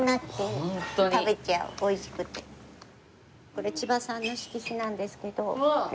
これ千葉さんの色紙なんですけど。